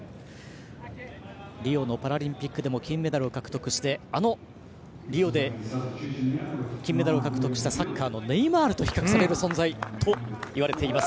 リオのパラリンピックでも金メダルを獲得してあのリオで金メダルを獲得したサッカーのネイマールと比較される存在といわれています